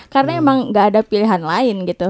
karena emang gak ada pilihan lain gitu